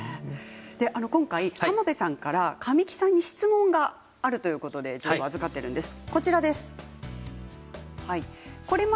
今回浜辺さんから神木さんに質問があるということで預かっています。